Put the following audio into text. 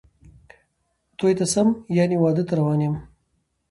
توی ته څم ،یعنی واده ته روان یم